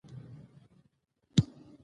باسواده میندې د کور لګښتونه کنټرولوي.